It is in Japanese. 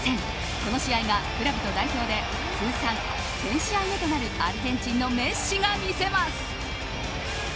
この試合がクラブと代表で通算１０００試合目となるアルゼンチンのメッシが見せます。